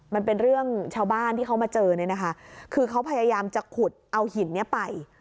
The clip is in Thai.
มันเป็นเรื่องชาวบ้านที่เขามาเจอเนี่ยนะคะคือเขาพยายามจะขุดเอาหินนี้ไป